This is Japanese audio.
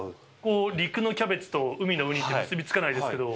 陸のキャベツと海のウニって結びつかないですけど。